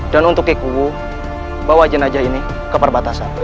dan untuk kikubu bawa jenazah ini ke perbatasan